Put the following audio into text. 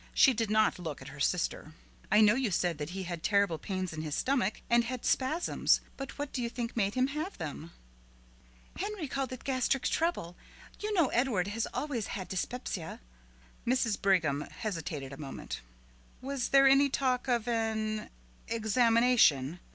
She did not look at her sister. "I know you said that he had terrible pains in his stomach, and had spasms, but what do you think made him have them?" "Henry called it gastric trouble. You know Edward has always had dyspepsia." Mrs. Brigham hesitated a moment. "Was there any talk of an examination?"